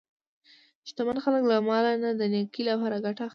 شتمن خلک له مال نه د نیکۍ لپاره ګټه اخلي.